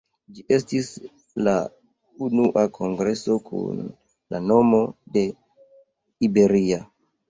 Ĝi estis la unua kongreso kun la nomo de Iberia.